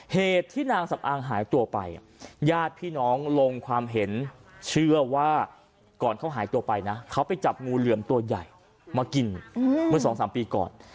เหตุที่นางสำอางหายตัวไปญาติพี่น้องลงความเห็นเชื่อว่าก่อนเขาหายตัวไปนะเขาไปจับงูเหลือมตัวใหญ่มากินเมื่อสองสามปีก่อน